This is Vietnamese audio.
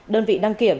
đơn vị đăng kiểm